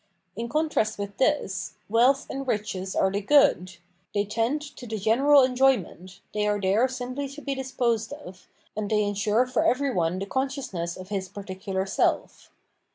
In contrast with this. Wealth and Riches are the good; they tend to the general enjoyment, they are there simply to be disposed of, and they ensure for every one the conscious ness of his particular self.